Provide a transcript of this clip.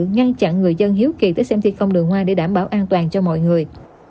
ngăn chặn người dân hiếu kỳ tới xem thi công đường hoa để đảm bảo an toàn cho mọi người